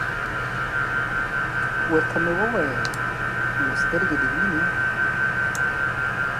ورته ومي ویل : نو سترګي دي وینې ؟